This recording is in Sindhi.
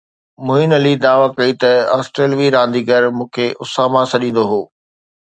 معين علي دعويٰ ڪئي ته آسٽريلوي رانديگر مون کي اساما سڏيندو هو